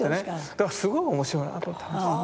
だからすごい面白いなと思ったんですよ。